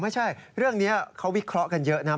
ไม่ใช่เรื่องนี้เขาวิเคราะห์กันเยอะนะ